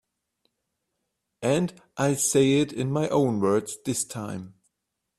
And I'll say it in my own words this time.